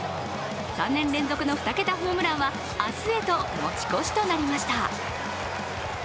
３年連続の２桁ホームランは明日へと持ち越しとなりました。